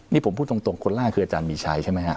นี่ผมพูดตรงคนแรกคืออาจารย์มีชัยใช่ไหมฮะ